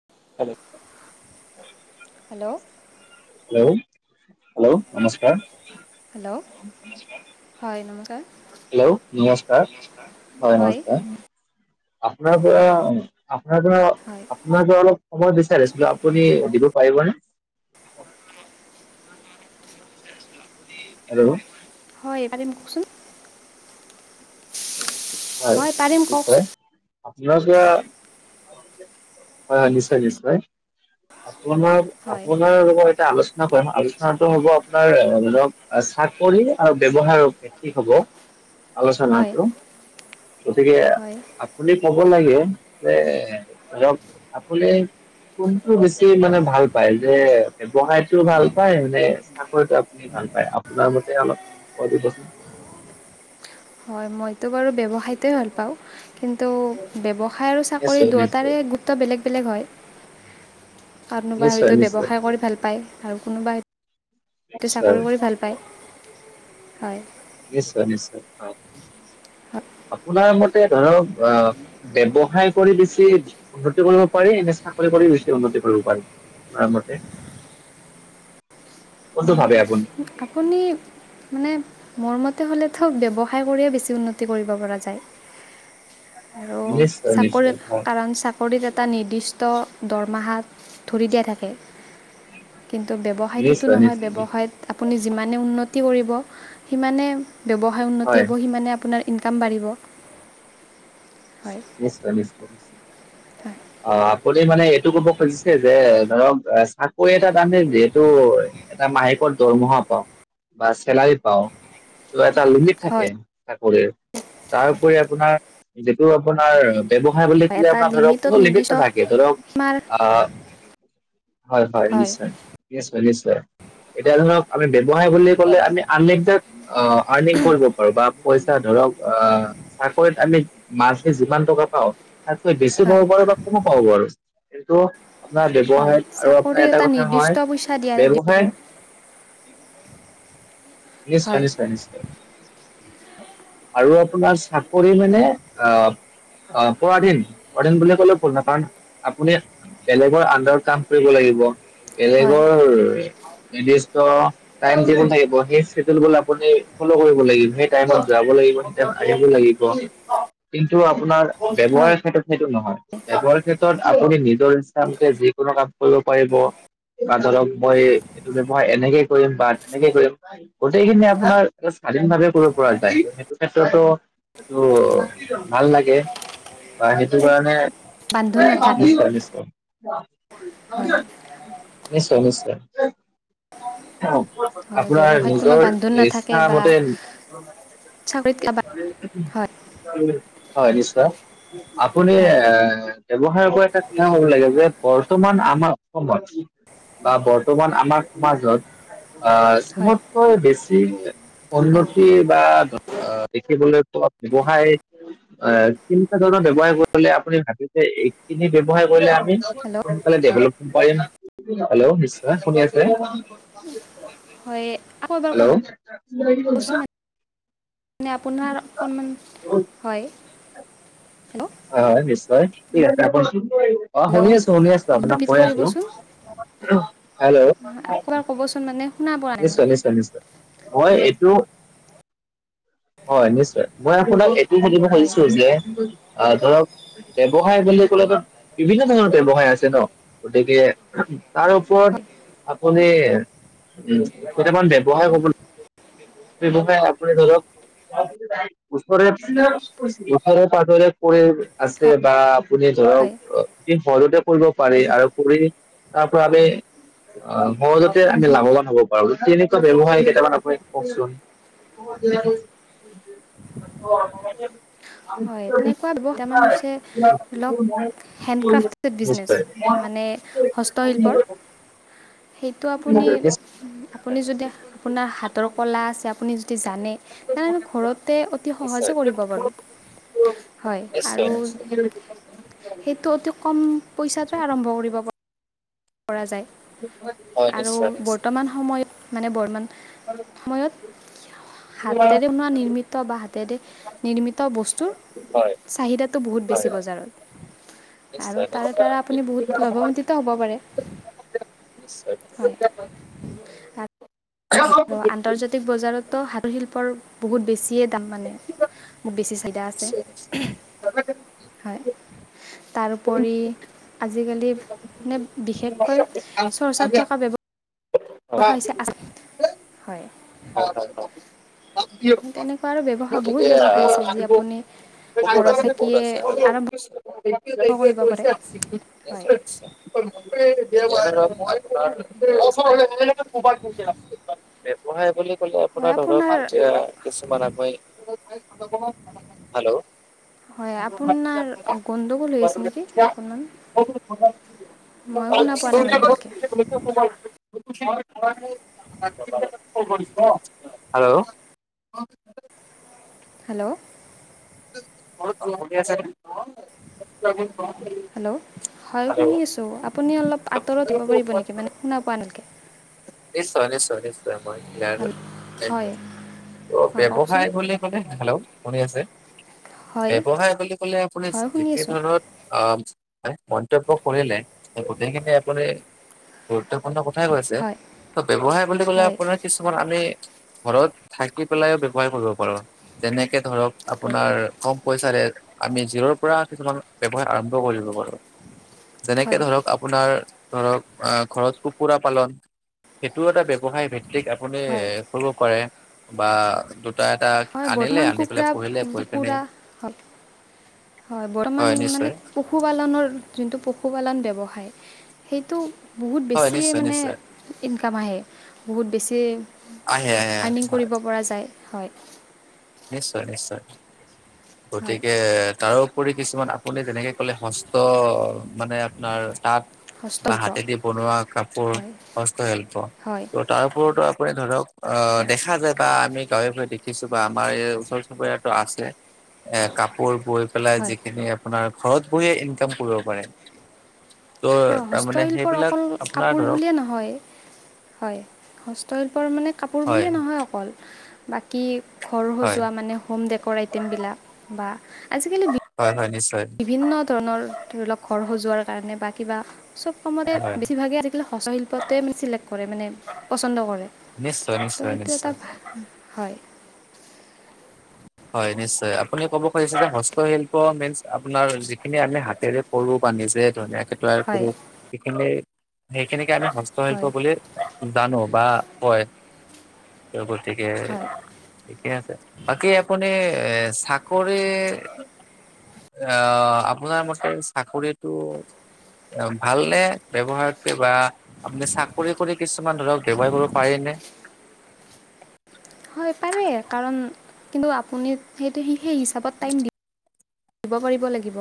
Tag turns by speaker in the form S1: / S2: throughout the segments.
S1: [unintelligible]
S2: Hello.
S1: Hello, hello, নমস্কাৰ।
S2: Hello. হয় নমস্কাৰ
S1: হেল্ল' নমস্কাৰ, হয় নমস্কাৰ। আপোনাৰ পৰা, আপোনাৰ পৰা
S2: হয়
S1: আপোনাৰ পৰা অলপ সময় বিচাৰিছিলো, আপুনি দিব পাৰিবনে? হেল্ল'।
S2: হয়, পতিম কওকচোন।
S1: হয়,
S2: পাৰিম
S1: নিশ্চয়।
S2: কওকচোন
S1: আপোনাৰ পৰা, হয় হয় নিশ্চয় নিশ্চয়, আপোনাৰ
S2: হয়
S1: আপোনাৰ লগত এটা আলোচনা কৰিম। আলোচনাটো হ'ব আপোনাৰ ধৰক চাকৰি আৰু ব্যৱসায় ভিত্তি হ'ব
S2: হয়
S1: আলোচনাটো। গতিকে,
S2: হয়
S1: আপুনি কব লাগে যে ধৰক আপুনি কোনটো বেছি মানে ভাল পায়, যে ব্যৱসায়তো ভাল পায় মানে চাকৰিটো আপু ভাল পায়? আপোনাৰ মতে অলপ কয় দিবচোন।
S2: হয়, মইতো বাৰু ব্যৱসায়টো ভাল পাওঁ কিন্তু ব্যৱসায় কৰি
S1: নিশ্চয় নিশ্চয়
S2: দুৱতাৰে গুৰুত্ব বেলেগ বেলেগ হয়। কানোবা
S1: নিশ্চয়
S2: হয়তো
S1: নিশ্চয়
S2: ব্যৱসায় কৰি ভাল পায় আৰু কোনোবা হয়
S1: নিশ্চয়
S2: চাকৰি কৰি ভাল পায়, হয়।
S1: নিশ্চয় নিশ্চয়, হয়।
S2: হয়
S1: আপোনাৰ ম ধৰক অ, ব্যৱসায় কৰি বেছি উন্নতি কৰিব পাৰি, নে চাকৰি কৰি বেছি উন্নতি কৰিব পাৰি আপোনাৰ মতে? কোনটো
S2: অঁ
S1: ভাবে আপুনি?
S2: আপুনি? মানে মোৰ মতে হ'লেতো ব্যৱসায় কৰিয়ে বেছি উন্নতি কৰিব পৰা যায়। আৰু
S1: নিশ্চয়
S2: চাকৰি,
S1: নিশ্চয় হয়
S2: কাৰণ চাকৰি চাকৰিত এটা নিৰ্দিষ্ট দৰমাহাত ধৰি দিয়া থাকে। কিন্তু ব্যৱসায়ত সিটো
S1: নিশ্চয়
S2: নহয়,
S1: নিশ্চয় নিশ্চয়
S2: ব্যৱসায়ত আপুনি যিমানে উন্নতি কৰিব, সিমানে ব্যৱসায় উন্নতি
S1: হয়
S2: হ'ব সিমানে আপোনাৰ ইনকাম বাঢ়িব। হয়
S1: নিশ্চয়, নিশ্চয়, নিশ্চয় অ'। বুলি মানে এইটো কব খুজিছে যে, ধৰক চাকৰি এটা তাৰ মানে যিহেতু এটা মাহেকৰ দৰমহা পাওঁ বা চেলাৰী পাওঁ। ত এটা লিমিট থাকে
S2: হয়
S1: চাকৰিৰ। তাৰউপৰি আপোনাৰ টো আপোনাৰ ব্যৱসায় বুলি
S2: হয়
S1: ক'লে
S2: এটা
S1: আপোনাৰ ধৰি লওক
S2: লিমিটত
S1: কোনো
S2: নিৰ্দিষ্ট
S1: লিমিট নাথাকে। ধৰি লওক
S2: সীমাৰ
S1: আ হয়, হয় নিশ্চয়। নিশ্চয়, নিশ্চয়। এতিয়া ধৰক আমি ব্যৱসায় বুলি ক'লে আমি আন একজাক অ', আৰ্নিং কৰিব পাৰো বা পইচা ধৰক চাকৰিত আমি মানথলি যিমান টকা পাওঁ, তাতকৈ বেছিও
S2: হয়
S1: পাব পাৰো বা কমো পাব পাৰো কিন্তু আপোনাৰ
S2: হয়
S1: ব্যয়ৱসায়ত আৰু
S2: চাকৰি
S1: আপোনাৰ এটা কথা
S2: নিৰ্দিষ্ট
S1: হয়,
S2: পইচা দিয়া দিব
S1: ব্যৱসায়ত নিশ্চয়,
S2: হয়
S1: নিশ্চয়, নিশ্চয়। আৰু আপোনাৰ চাকৰি মানে, আ অ পৰাধীন পৰাধীন বুলি ক'লেও ভুল নহয়। কাৰণ আপুনি বেলেগৰ আনডাৰত কাম কৰিব লাগিব।
S2: হয়
S1: বেলেগৰ নিৰ্দিষ্ট টাইম দিব লাগিব সেই চেদুলবোৰ আপুনি ফল' কৰিব লাগিব। সেই টাইমত যাব লাগিব, তেওঁ আহিব লাগিব। কিন্তু আপোনাৰ
S2: হয়
S1: ব্যৱসায়ীৰ ক্ষেত্ৰত সেইটো নহয়। এবৰ ক্ষেত্ৰত আপুনি নিজৰ ইচ্ছামতে যিকোনো কাম কৰিব পাৰিব। বা ধৰক মই ব্যৱহাৰ এনেকেই কৰিম বা তেনেকেই কৰিম গোটেইখিনি আপোনাৰ স্বাধীনভাৱে কৰিব পৰা যায়। সেইটো ক্ষেত্ৰতো এইটো ভাল লাগে বা সেইটো কাৰণে
S2: বান্ধোন নাথাকে
S1: নিশ্চয়, নিশ্চয়।
S2: হয়
S1: নিশ্চয়, নিশ্চয়। অ
S2: হয়
S1: আপোনাৰ
S2: ব্যৱসায়ত কোনো
S1: নিজৰ
S2: বান্ধোন
S1: ইচ্ছামতে
S2: চাবিত কাবাত [unintelligible]
S1: হয়, নিশ্চয়। আপুনি
S2: হয়
S1: আ ব্যৱসায়ৰ পৰা এটা [unintelligible] হ'ব লাগে যে বৰ্তমান আমাৰ অসমত বা বৰ্তমান আমাৰ সমাজত আ
S2: হয়
S1: চবতকৈ বেছি
S2: হয়
S1: উন্নতি বা আ দেখিবলৈ পোৱা ব্যৱসায় অ কেনেকা ধৰণৰ ব্যৱসায় কৰিলে আপুনি ভাবিছে এইখিনি ব্যৱসায় কৰিলে
S2: হেল্ল'
S1: [unintelligible] হেল্ল' নিশ্চয় শুনি আছে।
S2: হয় আ
S1: হেল্লউ [unintelligible]
S2: মানে আপোনাৰ অকণমান, হয়। হেল্ল'
S1: হয় হয় নিশ্চয় ঠিক আছে। আপোনাৰ, অ শুনি
S2: হেল্ল'
S1: আছো, শুনি আছো
S2: আকৌ
S1: আপোনাক
S2: ৰিপিট
S1: কৈ আছো।
S2: কৰিবচোন
S1: হেল্ল'
S2: আকৌ এবাৰ ক'বচোন মানে শুনা পোৱা নাই মই
S1: নিশ্চয়, নিশ্চয়, নিশ্চয়। মই এইটো, হয় নিশ্চয় মই আপোনাক এইটো সুধিব
S2: হয়
S1: খুজিছো যে ধৰক ব্যৱসায় বুলি ক'লেটো বিভিন্ন ধৰণৰ ব্যৱসায় আছে ন। গতিকে তাৰ ওপৰত
S2: হয়
S1: আপুনি উ কেইটামান ব্যৱসায় ক'ব ন ব্যৱসায় আপুনি ধৰক ওচৰে ওচৰে-পাজৰে কৈ আছে
S2: হয়
S1: বা আপুনি
S2: হয়
S1: ধৰক অ যে সৰুতে কৰিব পাৰি আৰু কৰি তাৰ পৰা আমি অ সহজতে আমি লাভৱান খাব পাৰো। তেনেকুৱা ব্যৱসায় কেইটামান আপুনি কওকচোন। [unintelligible]
S2: এনেকুৱা [unintelligible] হৈছে অলপ হেণ্ডক্ৰাফট তে বিজনেচ
S1: নিশ্চয়
S2: মানে হস্তশিল্পৰ সেইটো আপুনি আপুনি
S1: নিশ্চয়।
S2: যদি আপোনাৰ হাতৰ কলা আছে, আপুনি যদি জানে তেনেনো ঘৰতে অতি সহজে কৰিব পাৰো। হয় আৰু সেইটো অতি কম পইচাতে আৰম্ভ কৰিব পা কৰা যায়।
S1: হয়
S2: আৰু
S1: নিশ্চয়, নিশ্চয়।
S2: বৰ্তমান সময়ত মানে বৰমান
S1: [inaudible]
S2: সময়ত, হাতেৰে [unintelligible] নিৰ্মিত বা হাতেৰে নিৰ্মিত বস্তুৰ
S1: হয়।
S2: চাহিদাটো বহুত
S1: নিশ্চয়
S2: বেছি
S1: হয় হয়
S2: বজাৰত, আৰু
S1: নিশ্চয়
S2: তাৰে
S1: নিশ্চয় নিশ্চয়
S2: দ্বাৰা আপুনি বহুত লাভম [unintelligible] হ'ব পাৰে।
S1: নিশ্চয়।
S2: হয়। আৰু আন্তৰ্জাতিক বজাৰতটো হাতৰ শিল্পৰ বহুত বেছিয়ে দাম মানে। মোক বেছি [unintelligible] আছে [unintelligible] হয়। তাৰোপৰি, আজিকালি মানে বিশেষকৈ চৰ্চাত থকা ব্যৱ [unintelligible]
S1: হয় হয়
S2: হৈছে আচলত, হয়।
S1: [unintelligible]
S2: তেনেকুৱা আৰু ব্যৱসায় বহুত
S1: গতিকে আহ
S2: ব্যৱসায় আছে, যি আপুনি
S1: [unintelligible] [unintelligible]
S2: ঘৰত থাকিয়ে আৰম্ভ কৰিব পাৰে হয়
S1: ব্যৱসায় বুলি ক'লে আপোনাৰ ধৰক এতিয়া কিছুমান [unintelligible] হেল্ল'।
S2: হয়, আপোনাৰ গণ্ডগোল হৈ আছে নেকি অকণমান। মই শুনা পোৱা নাই মানে ভালকে।
S1: [unintelligible] [unintelligible] হেল্ল'।
S2: হেল্ল'।
S1: [unintelligible] অ' শুনি আছেনে।
S2: হেল্ল', হয় শুনি আছোঁ, আপুনি অলপ আঁতৰত দিব পাৰিব নেকি মানে শুনা পোৱা নাই ভালকে।
S1: নিশ্চয়, নিশ্চয়-নিশ্চয়, মই
S2: হেল্ল' হয়
S1: [unintelligible] ত'
S2: হয় কওকচোন
S1: ব্যৱসায় বুলি ক'লে হেল্ল', শুনি আছে।
S2: হয়
S1: ব্যৱসায় বুলি ক'লে আপুনি
S2: হয় শুনি
S1: যিকে
S2: আছোঁ
S1: ধৰণত অ', মানে মন্তব্য কৰিলে, সেই গোটেইখিনি আপুনি গুৰুত্বপূৰ্ণ কথাই কৈছে,
S2: হয়
S1: ত' ব্যৱসায় বুলি ক'লে
S2: হয়
S1: আপোনাৰ কিছুমান আমি ঘৰত থাকি পেলাই ব্যৱসায় কৰিব পাৰো, যেনেকে ধৰক
S2: হয়
S1: আপোনাৰ কম পইচাৰে আমি জিৰ'ৰ পৰা কিছুমান ব্যৱসায় আৰম্ভ কৰিব পাৰো। যেনেকে
S2: হয়
S1: ধৰক আপোনাৰ ধৰক আ ঘৰত কুকুৰা পালন সেইটো এটা ব্যৱসায় ভিত্তিক আপুনি
S2: হয়
S1: কৰিব পাৰে বা ত [unintelligible] এটা
S2: হয়
S1: আনিলে,
S2: বৰ্তমান
S1: আনি
S2: কুকুৰা
S1: পেলাই পুহিলে পুহি পিনি
S2: কুকুৰা হয় হয় বৰ্তমান মানে প পশুপালনৰ যোনটো পশুপালন ব্যৱসায়, সেইটো বহুত
S1: হয়
S2: বেছিয়ে
S1: নিশ্চয়
S2: মানে
S1: নিশ্চয়
S2: ইনকাম আহে, বহুত বেছি
S1: আহে আহে
S2: আৰ্নিং
S1: হয়
S2: কৰিব পৰা যায়, হয়।
S1: নিশ্চয়- নিশ্চয়,
S2: হয়
S1: গতিকে তাৰো কৰি কিছুমান আপুনি যেনেকে ক'লে হস্ত মানে আপোনাৰ তাত বা
S2: হস্তশিল্প
S1: হাতেদি বনোৱা কাপোৰ,
S2: হয়
S1: হস্তশিল্প,
S2: হয় হয়
S1: ত তাৰ ওপৰতো আপুনি ধৰক অ দেখা যায় বা আমি গাঁৱে ভুৱে দেখিছো বা আমাৰ এই ওচৰ চুবুৰীয়াটো আছে, এ কাপোৰ বৈ পেলাই
S2: হয়
S1: যিখিনি আপোনাৰ ঘৰত বইয়ে ইনকাম কৰিব পাৰে।
S2: হয়,
S1: ত' তাৰমানে
S2: হস্তশিল্পৰ
S1: সেইবিলাক
S2: অকল
S1: আপোনাৰ
S2: কাপোৰ
S1: ধৰক
S2: বুলিয়ে নহয় হয়, হস্তশিল্পৰ মানে কাপোৰ
S1: হয়
S2: বুলিয়ে নহয় অকল। বাকী ঘৰ
S1: হয়
S2: সজোৱা মানে হোম ডেকৰ আইটেমবিলাক বা আজিকালি
S1: হয়- হয়, নিশ্চয়।
S2: বিভিন্ন ধৰণৰ ধৰি লওঁক ঘৰ সজোৱাৰ কাৰণে বা কিবা চব কামতে
S1: হয়
S2: বেছিভাগে আজিকালি হস্ত শিল্পটোৱে মানে চিলেক্ট কৰে মানে পচন্দ কৰে।
S1: নিশ্চয়
S2: ত'
S1: নিশ্চয়
S2: সেইটো এটা
S1: নিশ্চয়
S2: ভা, হয়।
S1: হয়, নিশ্চয় আপুনি ক'ব খুজিছে যে হস্তশিল্প মিনচ আপোনাৰ যিখিনি আমি হাতেৰে কৰো বা নিজে ধুনীয়াকে তৈয়াৰ
S2: হয়
S1: কৰো, সেইখিনি সেইখিনিকে আমি হস্তশিল্প
S2: হয়
S1: বুলি জানো বা হয়, ত' গতিকে
S2: হয়
S1: ঠিকে আছে, বাকী আপুনি এ চাকৰি আ, আপোনাৰ মতে চাকৰিটো অ ভালনে ব্যৱসায়তকে বা আপুনি চাকৰি কৰি কিছুমান ধৰক ব্যৱসায় কৰিব পাৰিনে।
S2: হয় পাৰে, কাৰণ কিন্তু আপুনি সেইটো সেই হিচাপত টাইম দি দিব পাৰিব লাগিব,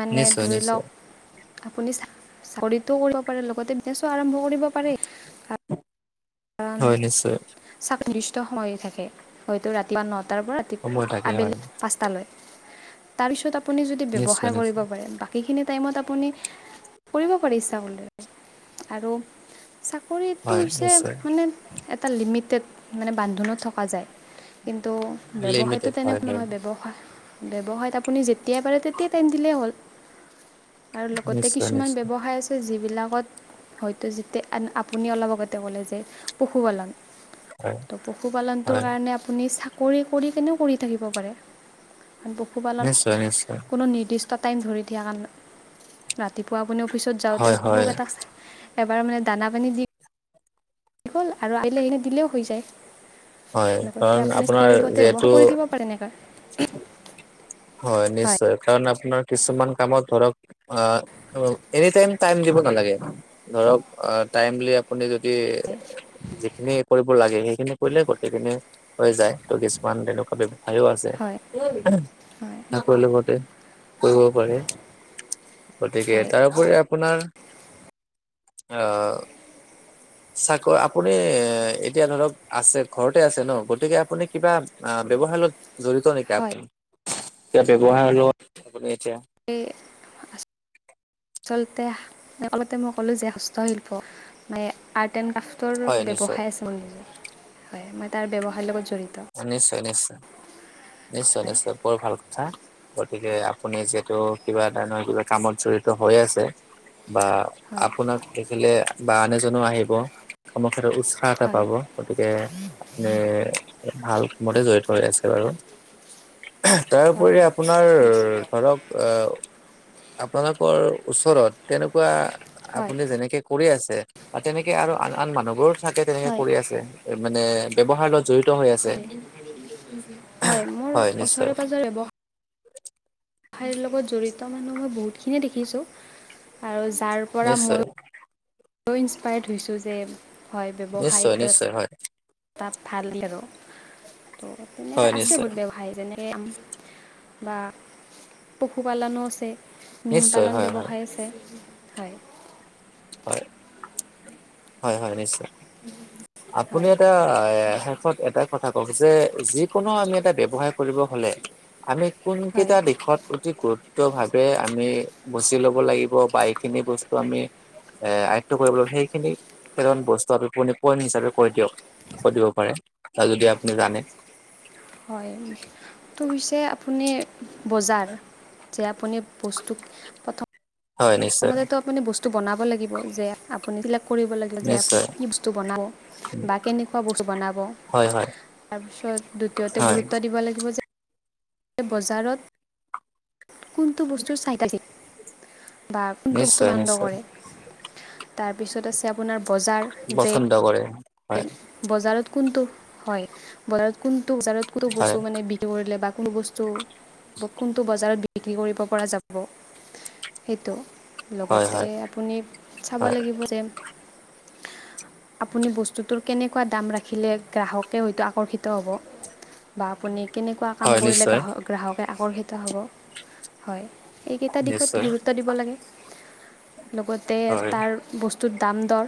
S2: মানে
S1: নিশ্চয়
S2: ধৰি
S1: নিশ্চয়
S2: লওঁক আপুনি চা-চাকৰিটো কৰিব পাৰে লগতে বিজনেছো আৰম্ভ কৰিব পাৰে।
S1: হয়, নিশ্চয়।
S2: চাৱক নিৰ্দিষ্ট সময় থাকে, হয়তো ৰাতিপুৱা নটাৰ পৰা ৰাতি
S1: সময় থাকে হয়
S2: আবেলি পাঁচটালৈ, তাৰপিছত আপুনি যদি
S1: নিশ্চয়
S2: ব্যৱসায় কৰিব
S1: নিশ্চয়
S2: পাৰে বা বাকীখিনি টাইমত আপুনি কৰিব পাৰে ইচ্ছা কৰিলে আৰু চাকৰিটো
S1: হয়
S2: হৈছে
S1: নিশ্চয়
S2: মানে এটা লিমিটেড মানে বান্ধোনত থকা যায়। কিন্তু ব্যৱসায়টো
S1: লিমিটেড হয়
S2: তেনেকে
S1: হয়
S2: নহয় ব্যৱসায় ব্যৱসায়ত আপুনি যেতিয়াই পাৰে তেতিয়াই টাইম দিলেই হ'ল। আৰু লগতে
S1: নিশ্চয়
S2: কিছুমান
S1: নিশ্চয়
S2: ব্যৱসায় আছে যিবিলাকত হয়তো যেতিয়া আন আপুনি অলপ আগতে ক'লে যে পশুপালন
S1: হয়
S2: ত' পশুপালনটোৰ
S1: হয়
S2: কাৰণে আপুনি চাকৰি কৰি কেনেও কৰি থাকিব পাৰে। আৰু পশুপালন
S1: নিশ্চয় নিশ্চয়
S2: কোনো নিৰ্দিষ্ট টাইম ধৰি দিয়া কাৰনে ৰাতিপুৱা আপুনি অফিচত যাওঁতে
S1: হয় হয়
S2: [unintelligible] এবাৰ মানে দানা পানী দি হ'ল আৰু [unintelligible] এনে দিলেওঁ হৈ যায়।
S1: হয়
S2: লগতে
S1: কাৰণ
S2: আপুনি
S1: আপোনাৰ
S2: [unintelligible] ব্যৱহাৰ
S1: যিহেতু
S2: কৰি থাকিব পাৰে এনেকা।
S1: হয়, নিশ্চয় কাৰণ আপোনাৰ কিছুমান কামত ধৰক অ এনি টাইম-টাইম দিব নালাগে। ধৰক টাইম বুলি আপুনি যদি
S2: হয়
S1: যিখিনি কৰিব লাগে সেইখিনি কৰিলে গোটেইখিনি হৈ যায়, ত' কিছুমান তেনেকুৱা বে পাইও আছে,
S2: হয়
S1: [unintelligible]
S2: হয়
S1: লগতে কৰিব পাৰে। গতিকে,
S2: হয়
S1: তাৰোপৰি আপোনাৰ, অ চাক আপুনি এতিয়া ধৰক আছে ঘৰতে আছে ন, গতিকে আপুনি কিবা আ ব্যৱসায় লগত জঢ়িত নেকি
S2: হয়
S1: আপুনি, কিবা ব্যৱসায় [unintelligible] লগত আপুনি এতিয়া
S2: এ আচলতে [unintelligible] মই ক'লো যে হস্তশিল্প মানে আৰ্ট এণ্ড [unintelligible] তৰ
S1: হয় নিশ্চয়
S2: ব্যৱসায় আছে মান [unintelligible] হয়, মই তাৰ ব্যৱসায়ৰ লগত জড়িত।
S1: নিশ্চয় নিশ্চয়- নিশ্চয়-
S2: হয়
S1: নিশ্চয় বৰ ভাল কথা। গতিকে আপুনি যিহেতু কিবা ধৰণৰ কিবা কামত জড়িত হৈ আছে, বা
S2: হয়
S1: আপোনাক দেখিলে বা আন এজনো আহিব, [unintelligible] সাহ
S2: হয়
S1: এটা
S2: হয়
S1: পাব, গতিকে এ ভাল কামতে জড়িত হৈ আছে বাৰু। তাৰ
S2: হয়
S1: ওপৰি আপোনাৰ ধৰক অ আপোনালোকৰ ওচৰত তেনেকুৱা
S2: হয়
S1: আপুনি যেনেকে কৰি আছে। তেনেকে আৰু আন-আন মানুহবোৰো চাগে তেনেকে
S2: হয়
S1: কৰি আছে, মানে ব্যৱহাৰ লগত জড়ি ত হৈ আছে।
S2: হয়, মোৰ ওচৰে পাজৰে ব্যৱ ব্যৱসায়ৰ লগত জড়িত মানুহ মই বহুতখিনিয়ে দেখিছো, আৰু
S1: নিশ্চয়।
S2: মই ইনস্পায়াৰ্ড হৈছোঁ যে হয় ব্যৱসায়টোত
S1: হয় হয়।
S2: তাত ভাল আৰু ত'
S1: হয়
S2: তেনেকৈ আছে
S1: নিশ্চয়
S2: বহুত ব্যৱসায় যেনে এ বা পশুপালনো আছে। মীন
S1: নিশ্চয়
S2: পালন
S1: হয় হয়
S2: ব্যৱসায় আছে, হয়।
S1: হয়, হয়- হয় নিশ্চয়।
S2: [inaudible]
S1: আপুনি
S2: হয়
S1: এতিয়া [unintelligible] এটাই কথা অৱশ্যে যিকোনো আমি এটা ব্যৱসায় কৰিব হ'লে আমি
S2: হয়
S1: কোনকেইটা দিশত অতি গুৰুত্ব ভাৱে আমি বুজি লব লাগিব বা এইখিনি বস্তু আমি এ আয়ত্ব কৰিব লাগে সেইখিনি বস্তু আমি পইণ্ট হিচাপে কৈ দিয়ক কৈ দিব পাৰে আৰু যদি আপুনি জানে
S2: হয় হৈছে আপুনি বজাৰ যে আপুনি বস্তু প্ৰথম
S1: হয় নিশ্চয়
S2: প্ৰথমতেতো আপুনি বস্তু বনাব লাগিব যে আপুনি এবিলাক কৰিব লাগিব আপুনি
S1: নিশ্চয়
S2: কি বস্তু বনাব বা কেনেকুৱা বস্তু বনাব।
S1: হয় হয়
S2: তাৰপিছত দ্বিতীয়তে
S1: হয়
S2: গুৰুত্ব দিব লাগিব যে বজাৰত কোনটো বস্তুৰ চাই আছিল বা কোনটো বস্তু
S1: নিশ্চয়
S2: বানড
S1: নিশ্চয়
S2: কৰে। তাৰপিছত আছে আপোনাৰ বজাৰ যে
S1: [unintelligible]
S2: বজাৰত কোনটো হয় বজাৰত কোনটো বজাৰত কোনটো
S1: হয়
S2: বস্তু মানে বিক্ৰি কৰিলে বা কোনো বস্তু কোনটো বজাৰত বিক্ৰী কৰিব পৰা যাব। সেইটো,
S1: হয়
S2: লগতে
S1: হয়
S2: আপুনি চাব
S1: হয়
S2: লাগিব যে আপুনি বস্তুটোৰ কেনেকুৱা দাম ৰাখিলে গ্ৰাহকে হয়তো আকৰ্ষিত হ'ব। বা আপুনি কেনেকুৱা কাম
S1: হয়
S2: কৰিলে
S1: নিশ্চয়
S2: গ্ৰাহক গ্ৰাহকে আকৰ্ষিত হ'ব হয় এইকেইটা দিশত
S1: নিশ্চয়
S2: গুৰুত্ব দিব লাগে। লগতে
S1: হয়
S2: তাৰ বস্তুত দাম দৰ